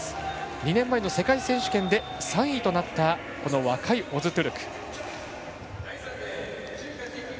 ２年前の世界選手権で３位となった若いオズトォルク。